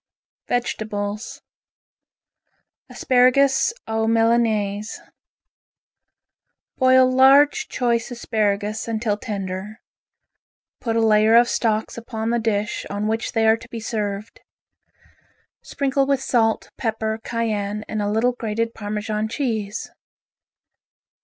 VEGETABLES Asparagus aux Milanaise Boil large choice asparagus until tender. Put a layer of stalks upon the dish on which they are to be served. Sprinkle with salt, pepper, cayenne, and a little grated Parmesan cheese.